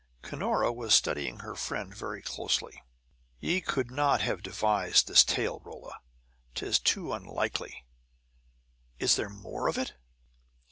Cunora was studying her friend very closely. "Ye could not have devised this tale, Rolla. 'Tis too unlikely. Is there more of it?"